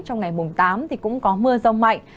trong ngày tám cũng có mưa rông mạnh